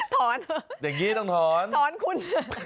ท้อนเหรอท้อนคุณเหรออย่างนี้ต้องท้อน